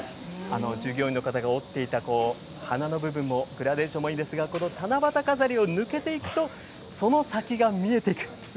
従業員の方が折っていた花の部分もグラデーションもいいんですが、この七夕飾りを抜けていくと、その先が見えてくるという。